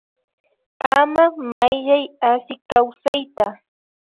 Ama Mayllay Asi kawsayta